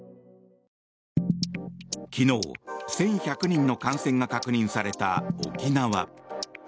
昨日、１１００人の感染が確認された沖縄。